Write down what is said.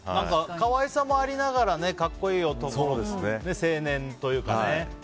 可愛さもありながら格好いい男の子というか青年というかね。